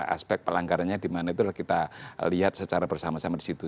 aspek pelanggarannya dimana itu kita lihat secara bersama sama disitu